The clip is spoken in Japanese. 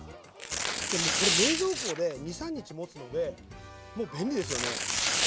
でもうこれ冷蔵庫で２３日もつのでもう便利ですよね。